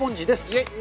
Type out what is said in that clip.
イエイ！